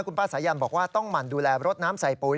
คุณป้าสายันบอกว่าต้องหมั่นดูแลรถน้ำใส่ปุ๋ย